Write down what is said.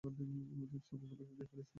সবগুলোকে খেয়ে ফেলেছে।